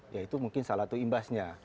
ya itu mungkin salah satu imbasnya